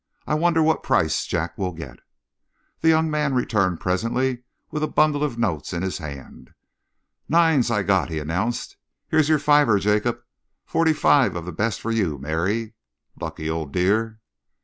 I wonder what price Jack will get." The young man returned presently with a bundle of notes in his hand. "Nines I got," he announced. "Here's your fiver, Jacob. Forty five of the best for you, Mary. Lucky old dear!"